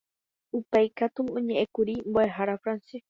Upéikatu oñe'ẽkuri mbo'ehára Francisco